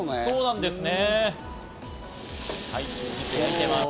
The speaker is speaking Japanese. そうなんですね。